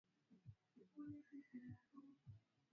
tu baada ya kuanza kutumia dawa za kulevya vijana wengi huendelea